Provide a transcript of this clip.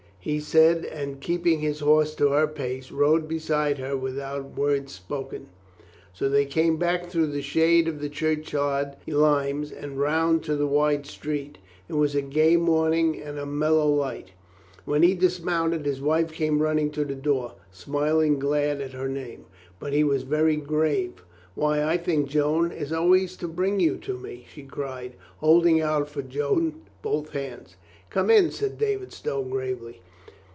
he said and keeping his horse to her pace, rode beside her without word spoken. So they came back through the shade of the churchyard limes and round to the wide street. It was a gay morning of mellow sunlight. When he dismounted, his wife came running to the door, smiling glad as her name. But he was very grave. "Why, I think Joan is always to bring you to me !" she cried, holding out for Joan both hands. "Come in," said David Stow gravely.